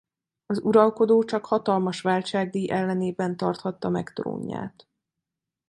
Az uralkodó csak hatalmas váltságdíj ellenében tarthatta meg trónját.